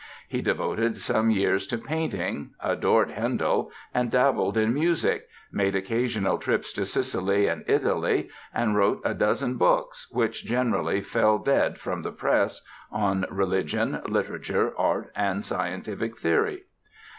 He devoted some years to painting, adored Handel and dabbled in music, made occasional trips to Sicily and Italy, and wrote a dozen books, which generally fell dead from the press, on religion, literature, art and scientific theory.